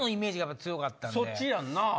そっちやんな。